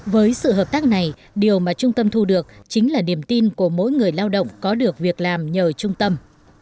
với sự hợp tác này điều mà trung tâm thu được chính là niềm tin của mỗi người lao động có được việc làm nhờ trung tâm